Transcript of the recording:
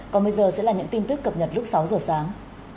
còn bây giờ sẽ là những tin tức cập nhật lúc sáu giờ sáng